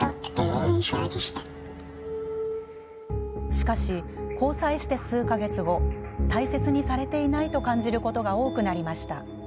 しかし、交際して数か月後大切にされていないと感じることが多くなりました。